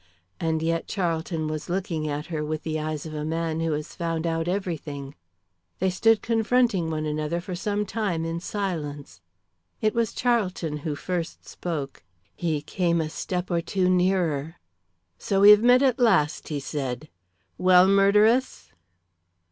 And yet Charlton was looking at her with the eyes of a man who has found out everything. They stood confronting one another for some time in silence. It was Charlton who first spoke. He came a step or two nearer. "So we have met at last," he said. "Well, murderess?"